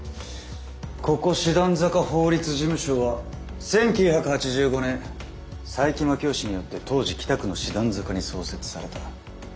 ここ師団坂法律事務所は１９８５年佐伯真樹夫氏によって当時北区の師団坂に創設された。